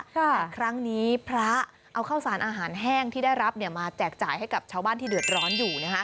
แต่ครั้งนี้พระเอาข้าวสารอาหารแห้งที่ได้รับมาแจกจ่ายให้กับชาวบ้านที่เดือดร้อนอยู่